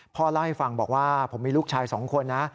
พ่อเล่าให้ฟังบอกว่าผมมีลูกชาย๒คนนะ